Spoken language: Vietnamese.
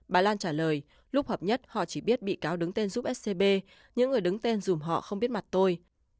bà lan trả lời lúc hợp nhất họ chỉ biết bị cáo đứng tên giúp scb những người đứng tên dùm họ không biết mặt tôi